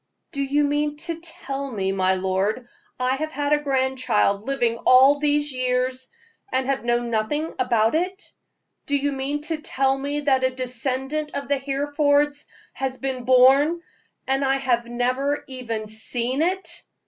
"Do you mean to tell me, my lord, I have had a grandchild living all these years, and have known nothing about it. Do you mean to tell me that a descendant of the Herefords has been born, and I have never even seen it?